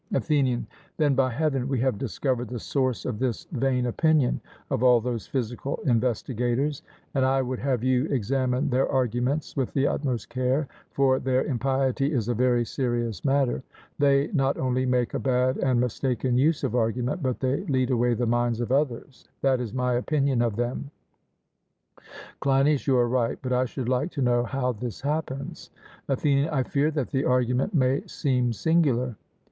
ATHENIAN: Then, by Heaven, we have discovered the source of this vain opinion of all those physical investigators; and I would have you examine their arguments with the utmost care, for their impiety is a very serious matter; they not only make a bad and mistaken use of argument, but they lead away the minds of others: that is my opinion of them. CLEINIAS: You are right; but I should like to know how this happens. ATHENIAN: I fear that the argument may seem singular.